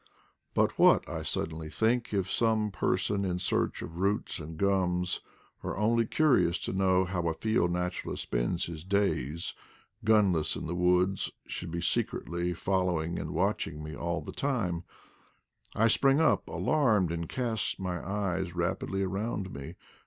But what, I suddenly think, if some person in search of roots and gums, or only curious to know how a field naturalist spends his days, gunless in the woods, should be secretly following and watching me all the timet I spring up alarmed, and cast my eyes rapidly around me.